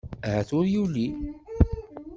Ahat ur yelli.